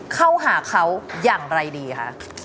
เข้าหาเขาอย่างไรดีคะ